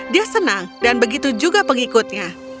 dia senang dan begitu juga pengikutnya